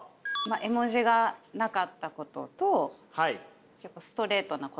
絵文字がなかったこととストレートな言葉だった。